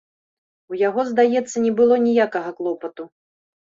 У яго, здаецца, не было ніякага клопату.